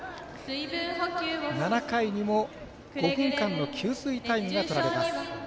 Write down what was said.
７回にも５分間の給水タイムが取られます。